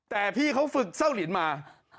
แต่พี่เขาฝึกเศร้าลินมา